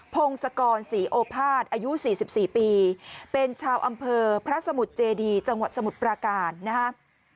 พงศกรศรีโอภาษอายุ๔๔ปีเป็นชาวอำเภอพระสมุทรเจดีจังหวัดสมุทรปราการนะครับ